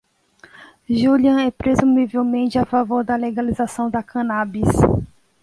Julian é presumivelmente a favor da legalização da cannabis.